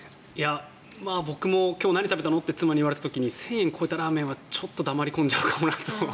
僕も今日何食べたのと妻に言われた時に１０００円超えたラーメンはちょっと黙り込んじゃうかもなと。